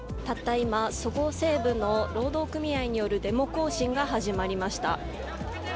今、そごう・西武の労働組合によるデモ行進が始まりました。